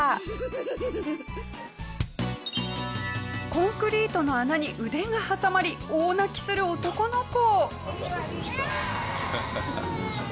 コンクリートの穴に腕が挟まり大泣きする男の子。